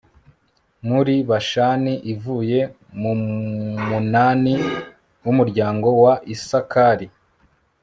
muri bashani ivuye mu munani w'umuryango wa isakari